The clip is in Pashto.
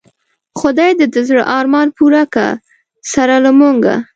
خدای دی د زړه ارمان پوره که سره له مونږه